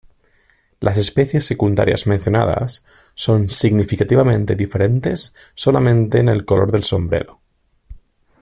Las especies secundarias mencionadas, son significativamente diferentes solamente en el color del sombrero.